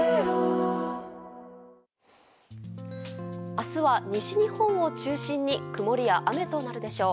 明日は西日本を中心に曇りや雨となるでしょう。